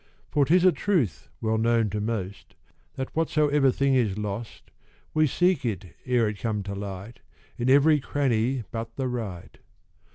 For 'tis a truth well known to most, That whatsoever thing is lost, We seek it, ere it come to light, In every cranny but the right.